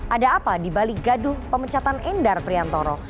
ada apa dibalik gaduh pemecatan endar priantoro